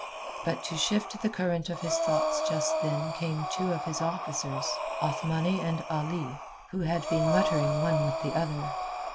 But to shift the current of his thoughts just then came two of his officers—Othmani and Ali, who had been muttering one with the other.